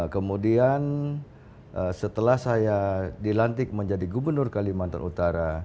kemudian setelah saya dilantik menjadi gubernur kalimantan utara